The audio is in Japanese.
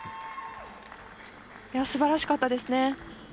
すばらしかったですね。